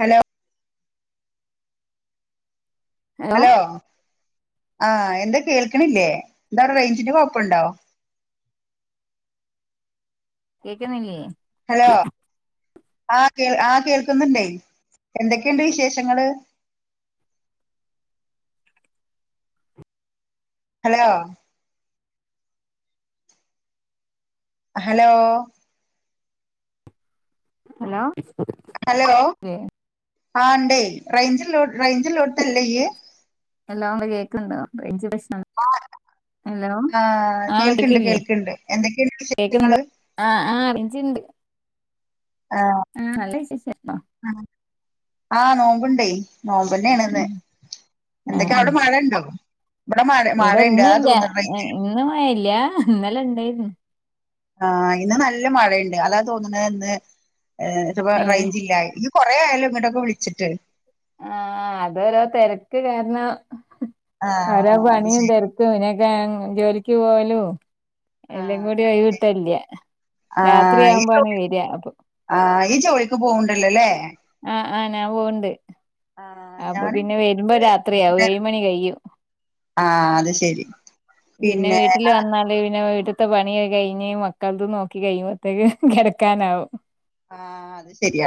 Hello hello ആഹ എന്താ കേൾക്കണില്ലേ എന്താ റേഞ്ചിന് കൊഴപ്പുണ്ടോ [unintelligible] കേക്ക ന്നില്ലേ ഹലോ ആഹ് കേ ആ കേൾക്കുന്നുണ്ടേ എന്തൊക്കെയുണ്ട് വിശേഷങ്ങള് ഹലോ ഹലോ ഹലോ ഹലോ ആ ണ്ടേ റേഞ്ചി റേഞ്ചിള്ളോ ട്ത്തല്ലെയ് എല്ലാ ഉണ്ട് കേൾക്കണ്ടോ റേഞ്ച് പ്രശ്ന ആഹ കേൾക്കണ്ട് കേൾക്കണ്ട് എന്തൊക്കെയുണ്ട് വിശേഷങ്ങള് ആഹ ആ അർജിൻഡ് ആഹ നല്ല വിശേ [unintelligible] ആഹ നോമ്പുണ്ടേ നോമ്പുന്നെയണന്ന് ആ എന്തൊക്കെയ അവിടെ മഴ ണ്ടോ ഇവിടെ ഒന്നുംല്ല ഇന്നും മയല്ല ഇന്നലേ ണ്ടെർന്നു ആ് ഇന്ന് നല്ല മഴി ണ്ട് അതാ തോന്നണ് ഇന്ന് പ്പ ഏ റേഞ്ച്‌ ഇല്ലായി കൊറെ ആയാലോ ഇങ്ങീടൊക്കെ വിളിച്ചിട്ട് ആഹ അതൊരോ തെരക്ക്‌ കാരണം അവരാ ആഹ് അത് പണിയും ശരി തെരക്കും പിന്നൊക്കെ ജോലിക്ക് പോവലും എല്ലാം കൂടി ഒഴിവ് കിട്ടല്യ ആഹ് ഈ രാത്രിയാവുമ്പോണ ജോലി വര അപ്പൊ ആഹ് ഈ ജോലിക്ക് പോവ്ണ്ടല്ലോല്ലേ ആഹ ആനാ പോവ്ണ്ട് ആഹ് അപ്പൊ ഞാന് പിന്നെ വരുമ്പോ രാത്രിയാക ഏഴ മണി കഴും ആഹ അത് ശരി പിന്നെ വീട്ടില് വന്നാല് പിന്നെ വീട്ട് പണി കഴിഞ്ഞഞ് മക്കള നോക്കി കഴിയുമ്പോഴത്തേക്ക് കെടക്കാനാാവും ആഹ അത് ശരിയ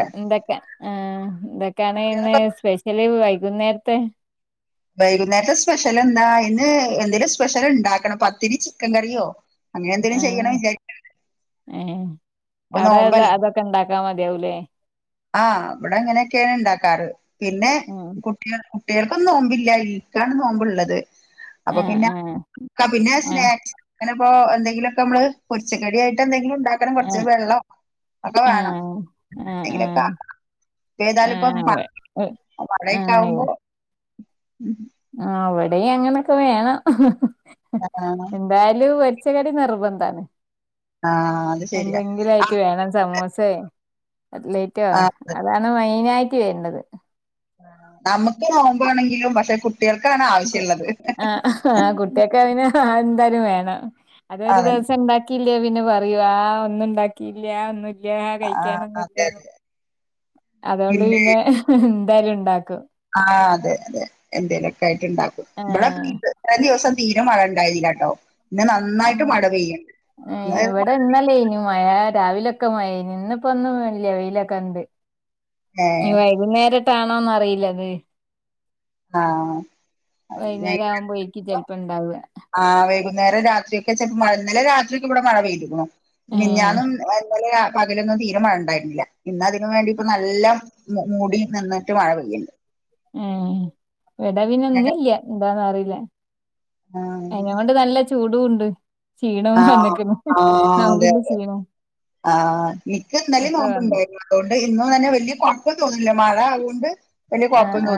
ആഹ എന്തൊക്കെയാണ് ഇന്ന് സ്പെഷ്യലി വൈകുന്നേരത്തെ വൈകുന്നേരത്തെ സ്പെഷ്യൽ എന്താ ഇന്ന് എന്തെങ്കലും സ്പെഷ്യൽ ണ്ടാക്കണം പത്തിരി ചിക്കൻ കറിയോ അങ്ങനെ എന്തേങ്കിലും ആഹ് ചെയ്യണം വിചാരിക്ക് ണ്ട് ഏഹ് അവിടെ അ അതൊക്കെ ഇണ്ടാക്കാ മതിയാവുലേ ആഹ ഇവിടെ അങ്ങനെയൊക്കെയാണ് ഉണ്ടാക്കാറ് പിന്നെ ആഹ് കുട്ട്യാൾ ട്ടിയെൾക്കൊന്നും നോമ്പില്ല ഇൻക്കാണ് നോമ്പുള്ളത് അപ്പൊ ആഹ് പിന്നെ ക്കാ പിന്നെ ആഹ് സ്നാക്സ് അങ്ങനെപ്പോൊ എന്തെിലൊക്കെ നമ്മള് കൊറച്ച കടിയായിട്ട് എന്തെങ്കില ഉണ്ട കു ആഹ് വെള്ളം ഒക്കെ വേണം ആഹ് ആഹ് ന്തേങ്കിലൊക്കെ ആഹ് ഏതാലും ഇപ്പഴ ആഹ് മഴൊക്കെ ആാവുമ്പോ അവിടെ അങ്ങനൊക്കെ വേണം ആഹ പൊരിച്ചകടി നിർബന്ധമാണ് ആ, അത് ശരിയാ എന്തെങ്കിലും ആ, ആയിട്ട് വേണം സമൂ സേ കട്ലേറ്റോ ആ, അത് അതാണ് മെയിനായിട് വേണ്ടത് നമുക്ക് നോമ്പാണെങ്കിലും പക്ഷെ കുട്ട് കുട്ട് ആ ആ കുട്ടിയക്കെ ഐന് ആ എന്ത വേണം അതൊരു അതെ ദിവസം ണ്ടാക്കില്ലെ പിന്നെ പറയും ആ ഒന്നും ണ്ടാക്കില്ല ഒന്നു ൽ ല്യ ആ, അതെ കഴിക്കാനൊന്നൂല്യ അതെ അതൊണ്ട് പിന്നെ താല ഉണ്ടാക്കും ആ അതെ അതെ എന്തേലൊക്കെ ആയിട്ട് ഉണ്ടാക്കും ആ ഇബടെ [unintelligible] ദിവസ തീരെ മഴ ഉണ്ടായില്ലാ ട്ടോ ആ ഇന്ന് എവിടെ ഇന്നല്ലേ ഇനു മയ രാവിലൊക്കെ മയി നിന്നിപ്പോ ഒന്നും ലവയിലൊക്കെ ഉണ്ട് ഏ വൈകുന്നേര ഇാണോന്ന് അറിയില്ലത് ആ വൈകുന്നേരം ആവുമ്പോഴേക്കും ചെലപ്പോ ഉണ്ടാവുക ആ വ ന്ന നേര രാത്രിയ ഒക്കെ ചെ മഴ ഇന്നലെ രാത്രിയൊക്കെ ഇവിടെ മഴ പെയ്ക്കണം ഏ മിന്നാനും ഇല പകലൊന്നും തീരെ മഴ ഉണ്ടായിരുന്നില്ല ഇന്ന് അതിനന് വേണ്ടി ഇപ്പ നല്ല മൂടി നിന്നിട്ട് മഴ പെയ്യും [inaudible] ആ വിടവിനൊന്നുല്ല എന്താന്നറിയില്ല അയ്നൊണ്ട് നല്ല ചൂടുണ്ട് ആ ക്ഷീണവും വന്ന്ക്ക്ണ് ആ അതെ [unintelligible] ക്ഷീണം ആ ൻക്ക് ഇന്നലേം ഒക്കെ വന്നു നോമ്പ്ണ്ടേര്ന്ന് അതോണ്ട് ഇന്നും തന്നെ വല്യ കൊഴപ്പം തോന്ന്ല്ല മഴ ഉണ്ട് ആ അ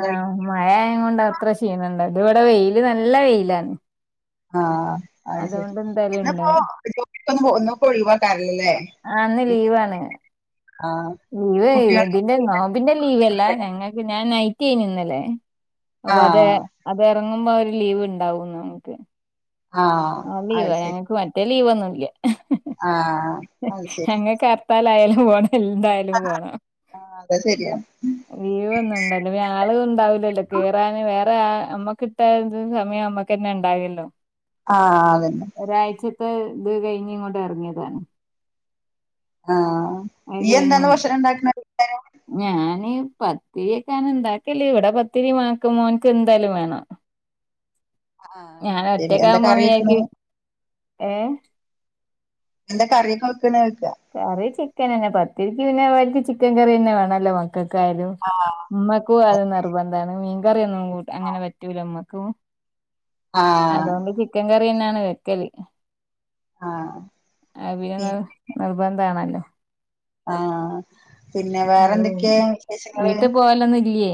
മയായോണ്ട് അത്ര ക്ഷീനണ്ടാ ഇത് വടെ വെയില് നല്ല വെയിലാ ആ അത് ശെരി ന്നപ്പോ ഉണ്ടാവും [unintelligible] ഒഴിവേ ക്കാരം ആ ന്ന് ലീവാണ് ആ ലീവ് ഇതിന്റെ കുട്ടികൾക്കൊക്കെ നോമ്പിന്റെ ലീവല്ലാ ഞങ്ങക്ക് ഞാൻ നൈറ്റേന്നു ഇന്നലെ ആ അപ്പൊ അത് അത് എറങ്ങുമ്പോ ഒരു ലീവ്ണ്ടാവും നമുക്ക് ആ ആ ലീവ ഞങ്ങക്ക് മറ്റേ ലീവൊന്നുല്ല ആഹ് അയ് ശെരി താലായാലും പോണം എന്തായാലും പോണം. ആഹ് അത് ശരിയാ ലീവൊന്നുണ്ടവുല്ല പിന്നാള്ത് ണ്ടാവൂല്ലല്ലോ കേറാന് വേ റെ അമ്മക്കിട്ടാത് സമയം അമ്മക്കെന്നെണ്ടാവല്ലോ ആഹ് അതെന്നെ ഇപ്പെ ത് കഴിഞ്ഞ് ഇങ്ങോട്ടെറങ്ങ്യതാണ്. ആഹ് ഇയ്യെന്താണ് ഭക്ഷണണ്ടാക്ക്ണേ? പത്തിര്യെക്കെണ് ണ്ടാക്കല് ഇവടെ പത്തിരി മാക്ക് മോൻക്കെന്തായാലും വേണം. ആഹ് ശരി എന്താ ഞാനൊറ്റക്കാവുമ്പോ കറി വെക്കണ് വിയാക്ക് ഏഹ് എന്താ കറ്യൊക്കെ വെക്കണ്? കറി ചിക്കനെന്നെ പത്തിരിക്ക് പിന്നെ ഓൽക്ക് ചിക്കൻ കറ്യെന്നെ വേണല്ലോ മ ക്കക്കായാലും ആഹ് മ്മക്കും അത് നിർബന്ധാണ് മീൻകറ്യൊന്നും കൂട് അങ്ങനെ പറ്റൂലമ്മ ക്കും ആഹ് അതോണ്ട് ചിക്കൻ കറ്യെന്നെണ് വെക്കല്. ആഹ് അവിന പി ത് നിർബന്ധാണല്ലോ. ആഹ് പിന്നെ വേറെ അത് ന്തൊക്കെ വിശേഷങ്ങള്? വീട്ടി പോവലൊന്നും ഇല്ലേ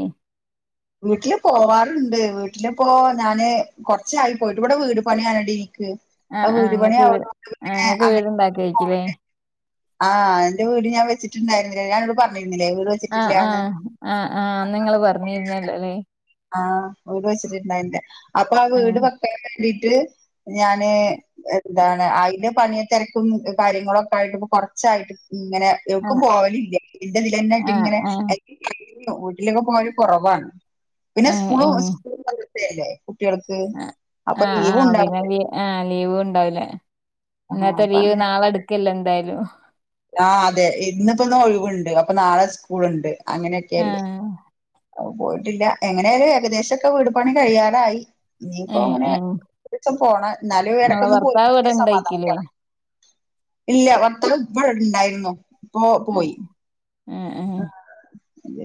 വീട്ടില് പോവാറ്ണ്ട് വീട്ടിലിപ്പോ ഞാന് കൊർച്ചായി പോയിട്ട് ഇവടെ വീട് പണ്യാണടി. ക്ക് ആഹ് അഹ് ആഹ് വീട് ഇങ്ങക്ക് വീ പണ്യായതോണ്ട് ആഹ് പിന്നെ ഇങ്ങക്ക് അ വീടുണ്ടാക്കായിരിക്കുല്ലേ [unintelligible] ആഹ് ഇന്റെ വീട് ഞാ വെച്ച്ട്ട്ണ്ടായിര്ന്ന് ല്ലെ ഞാ അന്നോട് പർഞ്ഞ് ആഹ് ആഹ് ആഹ് ആഹ് അന്ന് ഇങ്ങള് പറഞ്ഞിര്ന്നല്ലോ ല്ലേ. ആഹ് വീട് വെച്ചിട്ടുണ്ടായില്ല അപ്പളാ വീട് ആഹ് വെക്ക [unintelligible] ണ്ടിട്ട് ഞാന് എന്താണ് അയ്ന് പണിയ തെരക്കും കാര്യങ്ങളൊക്കായിട്ട് ഇപ്പ കൊർച്ചായിട്ട് ഇങ്ങനെ യൊട്ക്കും ആഹ് പോവാലില്ല ഇതിന്റെ തിലെന്നായിട്ട് ആഹ് ങ്ങനെ ആഹ് [unintelligible] [unintelligible] വീട്ടിലൊക്കെ പോവല് കൊറവാണ് പിന്നെ ഏഹ് സ്കൂളും ഏഹ് [unintelligible] ആഹ് ആഹ് ആഹ് ഉണ്ടാവില്ല പിന്നെ ആഹ് ലീവൂണ്ടാവൂല. ആഹ് ഇന്നത്തെ ലീവ് നാളെ ട്ക്കല്ലോ എന്തായാലും. ആ അതെ ഇന്നിപ്പോ ഒന്ന് ഒഴിവുണ്ട് അപ്പൊ നാളെ സ്കൂളുണ്ട് അങ്ങനെയൊക്കെയല്ലേ ആഹ് പോയിട്ടില്ല എങ്ങനെയായാലും ഏകദേശവൊക്കെ വീട് പണി കഴിയാറായി ഇനിയിപ്പോ ഏഹ് അങ്ങനെ ഏഹ് ഒരീസം പോണം എന്നാലും ഇങ്ങളെ ഇടക്കൊന്ന് ഭർത്താവ് പോയില്ലങ്കിൽ ഇവിടെ ഒരു ഇണ്ടായിക്കില്ലേ സമാധാനക്കേടാ ഇല്ല ഭർത്താവ് ഇപ്പോ ഇവിടെ ഇണ്ടായിരുന്നു [unintelligible] പോയി ഉം ഉം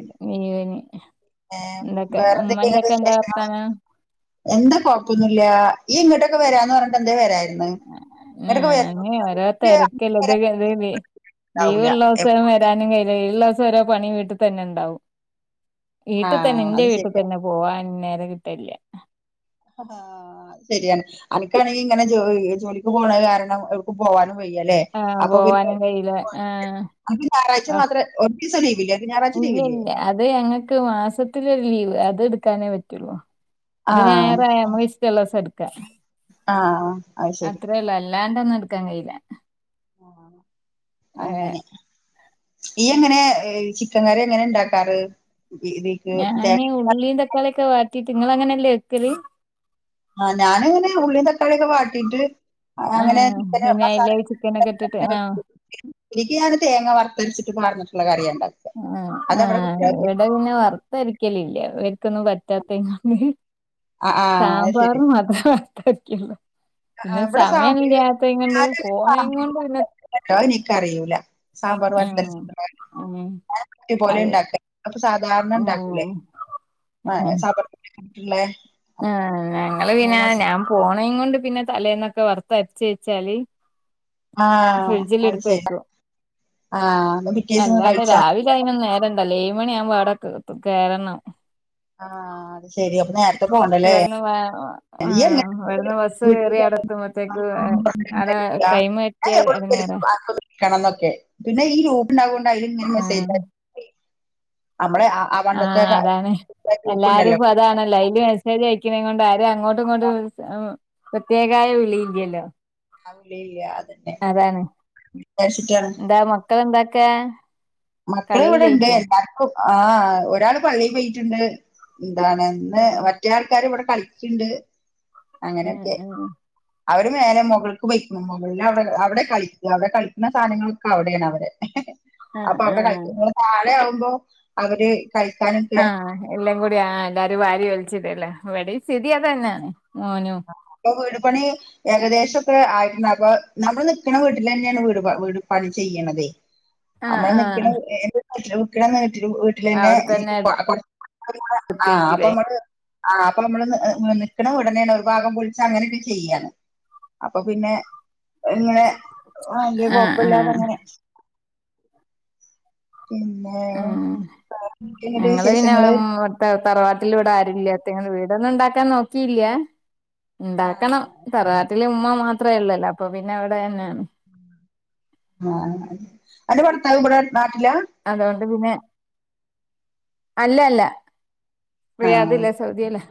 [unintelligible] ഏ വേറെന്തൊക്കെയാ എന്താ വിശേഷങ്ങള് വർത്താനം എന്താ കൊഴപ്പവൊന്നുവില്ലാ ഈ ഇങ്ങോട്ടൊക്കെ വരാന്ന് പറഞ്ഞിട്ട് എന്തേ വരാതിരുന്നേ ആ അങ്ങനെ ഓരോ തിരക്കുള്ള [unintelligible] ലീവ് വരാനുണ്ടാവൂല ഉള്ള ദിവസം വരാനും ക ലീവുള്ള ദിവസം ഓരോ പണി വീട്ടിൽ തന്നെ ഉണ്ടാവും വീട്ടിൽ തന്നെ ആഹ് എന്റെ അത് വീട്ടിൽ ശരിയാ തന്നെ പോവാൻ നേരം കിട്ടലില്ല ആഹ് ശരിയാണ് അനക്കാണെങ്കിൽ ഇങ്ങനെ ജോ ജോലിക്ക് പോണ കാരണം എവിടേക്കും പോവാനും വയ്യല്ലേ ആഹ് അപ്പൊ പിന്നെ പോവാനും കഴിയൂല്ല ആഹ് അനക്ക് ഞായറാഴ്ച ആ മാത്രേ ഒരു ദിവസം ലീവില്ലേ അനക്ക് ഞായറാഴ്ച ലീവില്ലേ ഇല്ല്യല്ല അത് ഞങ്ങക്ക് മാസത്തിലൊരു ലീവ് അത് ഇട്ക്കാനേ പറ്റുള്ളൂ അത് ആഹ് ഞായറാ ഞമ്മക്കിഷ്ടള്ള ദിവസം ഇട്ക്കാ ആണോ അത്രേള്ള് അല്ലാണ്ട് ഒന്നും ഇട്ക്കാൻ കഴീല ആ അങ്ങനെ ഇയ്യ് എങ്ങനെ ചിക്കൻ കറി എങ്ങനെ ഇണ്ടാക്കാറ് ഞാനന് ഉള്ളിയും തക്കാളിയൊക്കെ വാട്ടീട്ട് ഇങ്ങള് അങ്ങനെല്ലേ വെക്കല് ആഹ് ഞാനങ്ങനെ ഉള്ളിം തക്കാള്യൊക്കെ വാട്ടീട്ട് അങ്ങനെ ആഹ് ചിക്കന് പിന്നെ മസാല അയിലേക്ക് ചിക്കനൊക്കെ ഇട്ടിട്ട് [unintelligible] ആഹ് ഇതിൽക്ക് ഞാന് തേങ്ങ വറ ആ ആ അതവിടെ കുട്ടികൾക്ക് ഇവിടെ പിന്നെ വറുത്തരക്കലില്ല ഇക്കൊന്നും പറ്റാത്തത് ആ ആ അത് ശരി സാമ്പാറ് മാത്ര വർത്തരയ്ക്കൊള്ളൂ ആ, പിന്നെ ഇവിടെ സമയം സാമ്പാർ ഇല്യാത്തയ്ങ്ങണ്ട് പോണെയുംകൊണ്ട് പിന്നെ ഇല്യട്ടോ അത് നിക്ക് അറിയൂല സാമ്പാർ വർത്തരച്ച് [unintelligible] ഉം അതെ അപ്പൊ സാധാരണ ഉണ്ടാക്കൂലേ ആഹ് [unintelligible] ള്ളേ ആ ഞങ്ങള് പിന്നെ ഞാൻ പോണയിം കൊണ്ട് പിന്നെ തലേന്നൊക്കെ വറത്ത് അരച്ച് വെച്ചാല് ആ ഫ്രിഡ്ജില് അത് എടുത്ത് ശരി വെക്കും ആ എന്നാ പിറ്റേ ദിവസം അല്ലാണ്ട് കഴിച്ചാ രാവിലെ മതി അയിനൊന്നും നേരെണ്ടല്ലേ മണി ആവുമ്പോ അവടെ ക് കേരണം ആഹ് അത് ശരിയാ ഇവട്ന്ന് വ നീ ആഹ് എങ്ങനെ വരുന്ന ബസ്സ് കേറി അവടെത്തുമ്പോത്തേക്ക് അവിടെ ടൈം തെറ്റിയ എടങ്ങേ [unintelligible] ണംന്നൊക്കെ പിന്നെ ഈ ഗ്രൂപ്പ് ഉണ്ടാവോണ്ട് അയ്ല്ങ്ങനെ മെസേജ് ആഹ് അയ [unintelligible] ആഹ് അതാണ് ഗ്രൂപ്പ് എല്ലാരും ഉണ്ടല്ലോ ഇപ്പൊ അതാണല്ലോ അയ്ല് മെസ്സേജ് അയ് ക്ക്ണേങ്ങൊണ്ട് ആരും അങ്ങോട്ടും ഇങ്ങോട്ടും പ്രത്യേകായ വിളിയില്ലല്ലോ ഇല്ല അതന്നെ അതാണ് വിചാരിച്ചിട്ടാണ് എന്താ മക്കളെന്താ ക്കാ മക്കള് ഇവിടെ ഇണ്ട് എല്ലാർക്കും ആഹ് ഒരാള് പള്ളിയിൽ പോയിട്ട്ണ്ട് എന്താണ് ഇന്ന് ആഹ് മറ്റേ ആൾക്കാര് ഇവിടെ കളിക്ക്ണ്ട് ഏ ഏ അവര് മേലെ മുകൾക്ക് പൊയ്ക്ക്ണ് മുകളിൽ അവിടെ അവിടെ കളിക്ക അവിടെ കളിക്ക്ണ സാധനങ്ങളൊക്കെ അവടേണ് അവരെ ആഹ് അപ്പൊ അവടെ ആഹ് കളിക്ക [unintelligible] താഴെ ആവുമ്പോ അവര് കഴിക്കാനൊക്കെ ആഹ് എല്ലാം കൂടി ആ എല്ലാരും വാരി വലിച്ചിടല്ലേ ഇവടിം സ്ഥിതി അതന്നെയാണ് മോനും [unintelligible] പണി ഏകദേശം ഒക്കെ ആയിട്ട്ണ്ട് അപ്പൊ നമ്മള് നിക്ക്ണ വീട്ടിലെന്നേണ് വീട് വീട് പണി ചെയ്യണതേ ആഹ് അമ്മള് ആഹ് നിക്ക്ണ [unintelligible] ട്ടില് വീട്ടിലെന്നെ അവിടെത്തന്നെ [unintelligible] ആ അപ്പൊ എടുത്തേക്കില്ലേ അമ്മള് ആഹ് അപ്പൊ അമ്മള് നിക്ക്ണ വീടന്നേണ് ഭാഗം പൊളിച്ച അങ്ങനെയൊക്കെ ചെയ്യാണ് അപ്പൊ പിന്നെ എങ്ങനെ വല്ല്യ ആഹ് ആഹ് കൊഴപ്പില്ലാതെങ്ങനെ ഉം എന്തൊക്കെയുണ്ട് ഞങ്ങള് പിന്നെ വിശേഷങ്ങള് ഉം ത തറവാട്ടില് ഇവിടെ ആരുല്ല്യ [unintelligible] വീടൊന്നും ഉണ്ടാക്കാൻ നോക്കിയില്ല ഇണ്ടാക്കണം ആഹ് തറവാട്ടില് ഉമ്മ മാത് ത്രേ ഉള്ളല്ലോ അപ്പൊ പിന്നെ അവിടെ തന്നെയാണ് ആഹ് അൻ്റെ ഭർത്താവ് ഇബടെ നാട്ടിലാ അതുകൊണ്ട് പിന്നെ അല്ല അല്ല ആഹ് റിയാദിലാ സൗദിയേലാ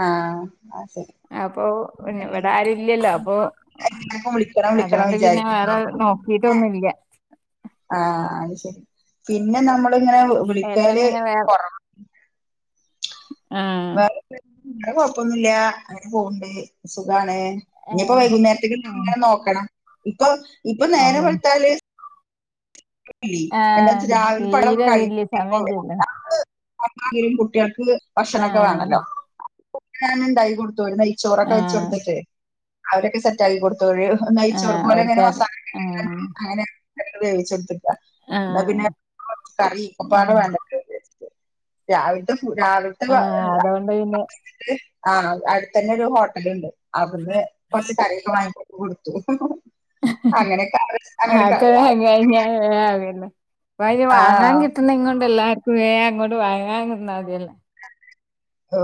ആഹ് അത് ശരി അപ്പൊ ന്നെ ഇവിടെ ആരൂല്ല്യല്ലോ അപ്പൊ എല്ലാർക്കും വിളിക്കണം വിളിക്കണം അതുകൊണ്ട് പിന്നെ വിചാരിക്കുട്ടോ വേറെ നോക് ക്കീട്ടൊന്നുല്ല്യ ആഹ് അത് ശരി പിന്നെ നമ്മ പ്പോ ങ്ങനെ ഏട്ടൻ വിളിക്കല് പിന്നെ വേറെ കൊറവ ആ ഇവടെ കൊഴപ്പൊന്നുല്ല അങ്ങനെ പോവ്ണ്ട് സുഖാണ് ഇനി ഇപ്പോ ഏഹ് വൈകുന്നേരത്തേക്ക് ആഹ് ഇങ്ങനെ നോക്കണം ഇപ്പൊ ഇപ്പൊ നേരെ അതെ വെള്ത്താല് [unintelligible] [unintelligible] ആഹ് തീരെ വല്യ സമയല്ലല്ലോ കുട്ട്യാക്ക് ഭക്ഷണൊക്കെ ആഹ് വേണല്ലോ [unintelligible] നെയ്ച്ചോറൊക്കെ വെച്ച് ആഹ് കൊടുത്തിട്ട് അവരൊക്കെ സെറ്റ് ആക്കി കൊടു [unintelligible] ആഹ് നെയ്ച്ചോറ്പോലെ ങ്ങനെ ഓര്ക്കത് മസാലൊക്കെട്ട് ട്ട് ആഹ് അങ്ങനെ വേവിച്ചു കൊട് ന്നാ ആഹ് പിന്നെ കറി ഒക്കെപ്പാടെ ഉം വേണ്ടല്ലോ വിചാരിച്ചിട്ട് രാവിലത്തും രാവിലത്തെ ആഹ് അതോണ്ട് പിന്നെ ആ അടുത്ത തന്നെ ഒരു ഹോട്ടല് ണ്ട് അവിന്ന് കൊറച്ച് കറിയൊക്കെ വാങ്ങി കൊടുത്തു അങ്ങനെ ആക്കെ വേം [inaudible] കഴിഞ്ഞാ വേഗാവല്ലോ ഇപ്പ അയിന് വാങ്ങാൻ കിട്ട്ണേങ്ങൊണ്ട് എല്ലാർക്കും വേ അങ്ങോട്ട് വാങ്ങാൻ നിന്നാ മതിയല്ലോ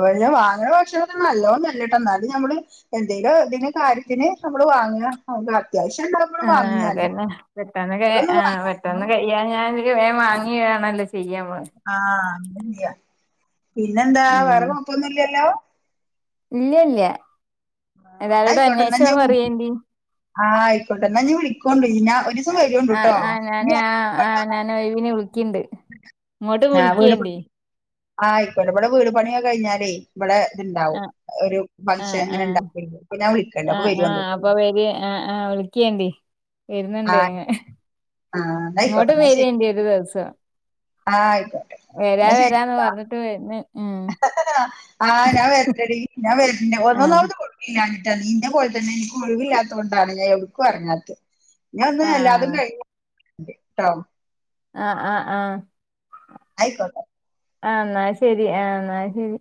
അതെ വാങ്ങന ഭക്ഷണ നല്ലതോന്നല്ലട്ട ന്നാലും നമ്മള് എന്തെലും ഇതിന് കാര്യത്തിന് [unintelligible] വാങ്ങ [unintelligible] ഉണ്ടാവുമ്പള് ആ വാങ്ങും ഞാന് അതെന്നെ പെട്ടെന്ന് ഇപ്പളൊന്നും ആ വാങ്ങ പെട്ടെന്ന് കയ്യാ ഞാ വാങ്ങി വേണല്ലോ [unintelligible] ആഹ അത്ല്ല പിന്നെന്താ വേറെ ഉം കൊഴപ്പൊന്നുല്ലല്ലോ ഇല്ല ഇല്ല ന്നാ എല്ലാരോടും ആയിക്കോട്ടെ ന്നാ അന്വേഷണം ഇജ്ജ് വിളി പറയേണ്ടി ആ അയ്ക്കോട്ടെ ന്നാ ഞീ വിളിക്കോണ്ട് ആ ആ ഞാന് ആ ആ പണിയൊക്കെ- ഞാന് ഒയ് വിന് വിളിക്ക്ണ്ട് ഇങ്ങോട്ടും ആ, വീട് വിളിക്കേണ്ടി പണി ആ അയ്ക്കോട്ടെ ഇവിടെ വീട് പണിയൊക്കെ കഴിഞ്ഞാലേ ഇവിടെ ഇത്ണ്ടാവും ഒരു ഫംഗഷൻ ങ്ങനെ ണ്ടാവും ആ ആ അപ്പൊ വര് ആ ആ വിളിക്കേണ്ടി ആ വരുന്നുണ്ട് അങ് ആ ന്നാ ആയിക്കോട്ടെ ഇങ്ങോട്ട് ന്നാ ശരി വെരേണ്ടി ഒരു ദിവസം ആ അ വരാ വരാന്ന് പറഞ്ഞിട്ട് വെര് ഞാൻ വെര്ണ്ടെടി ഞാൻ ആഹ് നിന്റെ പോലെ തന്നെ എനിക്ക് ഒഴിവില്ലാത്ത കൊണ്ടാണ് ഞാൻ എവ്ടുക്കും എറങ്ങാത്തത് ഞൻ ഒന്നും എല്ലാതും ആഹ് കഴിഞ് ട്ടോ ആ ആ ആ അയ്ക്കോട്ടെ ആ ന്നാ ശെരി ആ ന്നാ ശെരി